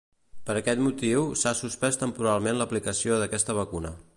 Per aquest motiu, s'ha suspès temporalment l'aplicació d'aquesta vacuna.